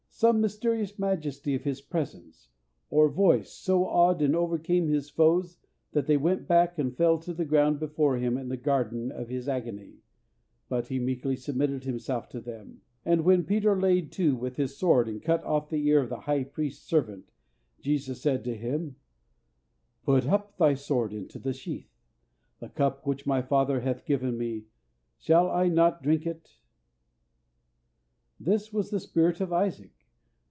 Some mysterious majesty of His presence or voice so awed and overcame His foes that they went back and fell to the ground before Him in the Garden of His agony, but He meekly submitted Himself to them; and when Peter laid to with his sword, and cut off the ear of the high priest's servant, Jesus said to him, "Put up thy sword into the sheath; the cup which My Father hath given Me, shall I not drink it?" This was the spirit of Isaac.